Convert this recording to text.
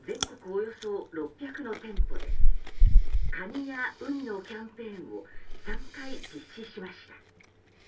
およそ６００の店舗でカニやウニのキャンペーンを３回実施しました。